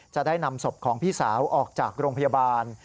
จะได้นำศพของพี่สาวออกจากโรงพยาบาล